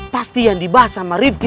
pasti yang dibahas sama rifki